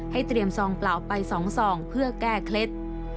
เตรียมซองเปล่าไป๒ซองเพื่อแก้เคล็ด